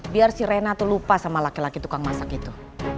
biar si rena tuh lupa sama laki laki tukang masak itu